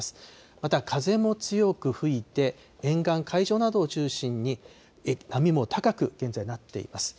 また風も強く吹いて、沿岸、海上などを中心に波も高く、現在なっています。